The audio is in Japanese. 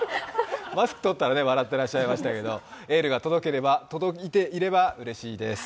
マスク取ったら笑ってらっしゃいましたけど、エールが届いていればうれしいです。